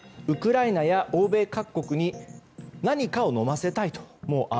ウクライナや欧米各国に何かをのませたい。